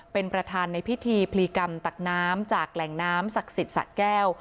เป็นประธานในพิธีพลีกรรมตักน้ำจากแหล่งน้ำศักดิ์สิทธิ์สะแก้ว